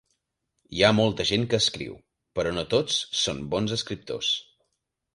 Hi ha molta gent que escriu, però no tots són bons escriptors.